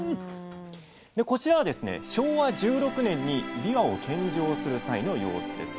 こちらはですね昭和１６年にびわを献上する際の様子です。